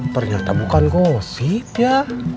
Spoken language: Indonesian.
ternyata bukan gosip ya